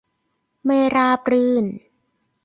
ไม่ราบรื่น